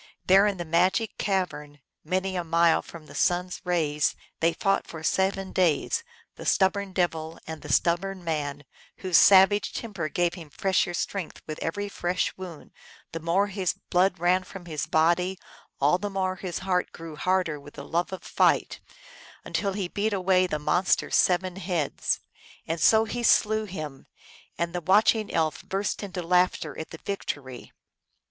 There, in the magic cavern, many a mile from the sun s rays, they fought for seven days, the stubborn devil and the stubborn man, whose savage temper gave him fresher strength with every fresh wound ; the more his blood ran from his body all the more his heart grew harder with the love of fight, until he beat away the monster s seven heads. And so he slew him, and the watching elf burst into laughter at the victory.